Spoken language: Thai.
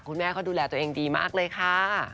คุณแม่เขาดูแลตัวเองดีมากเลยค่ะ